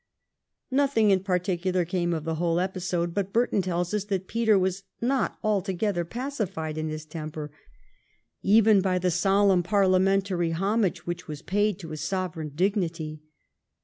Nothing in particular came of the whole episode, but Burton tells us that Peter was not altogether pacified in his temper even by the solemn parliamentary homage which was paid to his sovereign dignity.